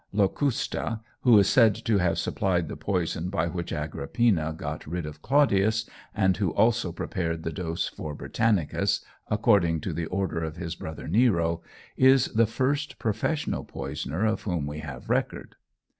Locusta, who is said to have supplied the poison by which Agrippina got rid of Claudius, and who also prepared the dose for Britannicus, according to the order of his brother Nero, is the first professional poisoner of whom we have record.